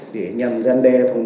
để nhằm gắn